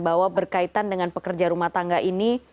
bahwa berkaitan dengan pekerja rumah tangga ini